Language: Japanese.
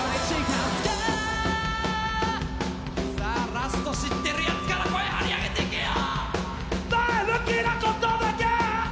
ラスト知ってるやつから声張り上げていけよ！